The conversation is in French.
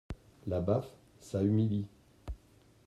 La baffe, ça humilie.